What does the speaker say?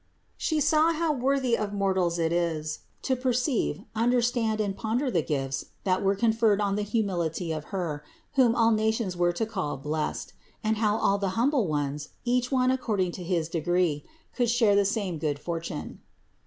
She saw how worthy of mortals it is to per ceive, understand and ponder the gifts that were con ferred on the humility of Her, whom all nations were to call blessed, and how all the humble ones, each one according to his degree, could share the same good for tune.